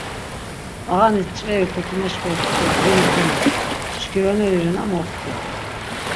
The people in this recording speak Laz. T̆ağanis ç̆veri kotumeş xortzi do ğvini komiğun, mşkironeri rena moxti.